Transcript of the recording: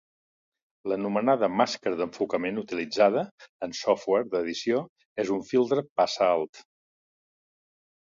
L'anomenada màscara d'enfocament utilitzada en software d'edició és un filtre passaalt.